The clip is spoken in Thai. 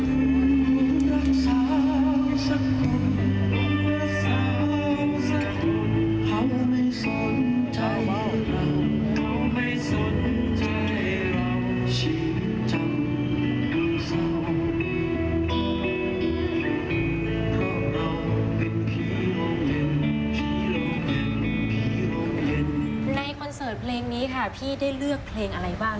คอนเสิร์ตเพลงนี้ค่ะพี่ได้เลือกเพลงอะไรบ้าง